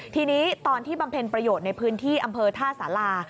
ทีนี้ตอนที่บำเพ็ญประโยชน์ในพื้นที่อำเภอท่าสารา